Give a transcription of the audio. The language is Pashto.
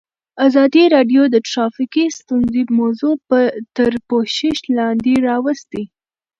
ازادي راډیو د ټرافیکي ستونزې موضوع تر پوښښ لاندې راوستې.